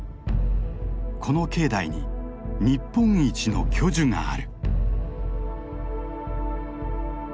この境内に日本一の巨樹がある。